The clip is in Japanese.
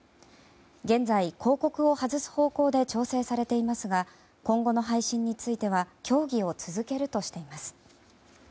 現在、広告を外す方向で調整されていますが今後の配信については協議を続けるとしています。